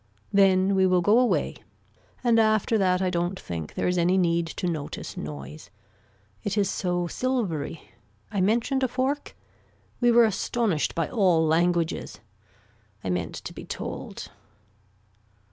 Then we will go away and after that I don't think there is any need to notice noise. It is so silvery. I mentioned a fork. We were astonished by all languages. I meant to be told.